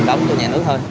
đóng cho nhà nước thôi